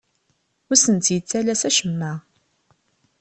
Ur asent-yettalas acemma.